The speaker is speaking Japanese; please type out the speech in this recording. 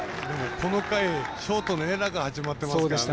この回ショートのエラーから始まってますからね。